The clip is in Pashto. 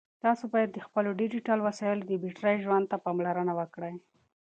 تاسو باید د خپلو ډیجیټل وسایلو د بېټرۍ ژوند ته پاملرنه وکړئ.